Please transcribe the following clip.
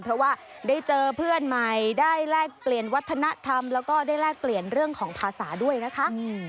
เพราะว่าได้เจอเพื่อนใหม่ได้แลกเปลี่ยนวัฒนธรรมแล้วก็ได้แลกเปลี่ยนเรื่องของภาษาด้วยนะคะ